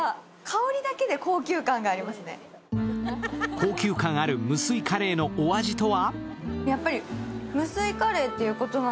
高級感ある無水カレーのお味とは？